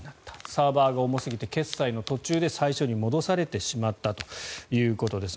サーバーが重すぎて決済の途中で最初に戻されてしまったということです。